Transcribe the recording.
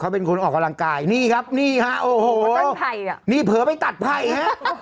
เป็นคนออกกำลังกายนี่ครับนี่ฮะโอ้โหนี่เผลอไปตัดไผ่ฮะ